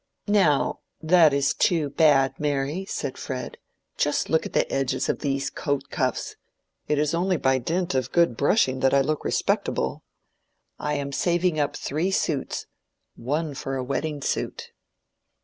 "Now that is too bad, Mary," said Fred. "Just look at the edges of these coat cuffs! It is only by dint of good brushing that I look respectable. I am saving up three suits—one for a wedding suit."